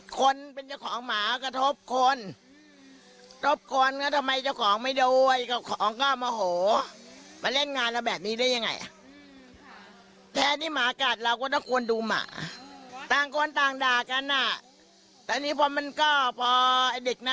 เขาบอกว่าจะเอาเงินมาเยียวยาเมื่อวานนี่ได้ยินน้องเขาพูดนะ